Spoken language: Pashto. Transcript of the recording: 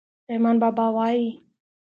رحمان بابا وايي.